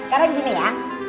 sekarang gini ya